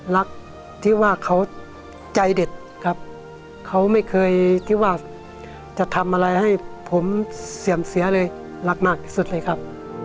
รักที่ว่าเขาใจเด็ดครับเขาไม่เคยที่ว่าจะทำอะไรให้ผมเสื่อมเสียเลยรักมากที่สุดเลยครับ